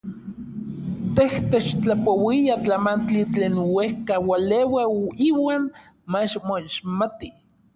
Tej techtlapouia n tlamantli tlen uejka ualeua iuan mach moixmati.